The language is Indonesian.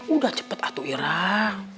udah cepet atuh irah